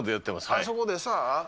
あそこでさ。